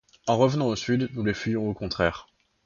En revenant au sud, nous les fuyons au contraire.